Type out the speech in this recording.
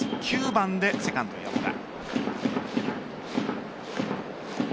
９番でセカンド・山田。